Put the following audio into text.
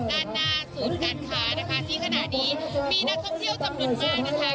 ด้านหน้าศูนย์การค้านะคะที่ขณะนี้มีนักท่องเที่ยวจำนวนมากนะคะ